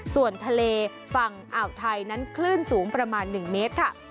ส่วนทะเลฝั่งอ่าวไทยนั้นคลื่นสูงประมาณ๑เมตรค่ะ